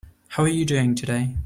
How are you doing today?